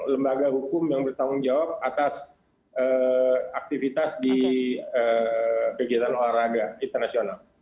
lembaga hukum yang bertanggung jawab atas aktivitas di kegiatan olahraga internasional